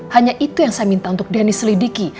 hanya itu yang saya minta untuk dennis lidiki